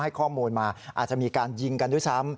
ให้ข้อมูลมาอาจจะมีการยิงกันด้วยซ้ำ